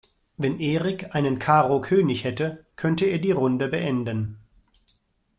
Wenn Erik einen Karo-König hätte, könnte er die Runde beenden.